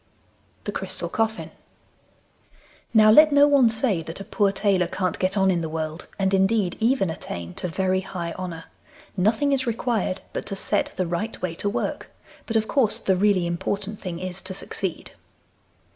THE CRYSTAL COFFIN Now let no one say that a poor tailor can't get on in the world, and, indeed, even attain to very high honour. Nothing is required but to set the right way to work, but of course the really important thing is to succeed.